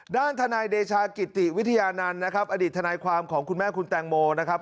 ด้านทนายเดชากิติวิทยานันต์นะครับอดีตทนายความของคุณแม่คุณแตงโมนะครับ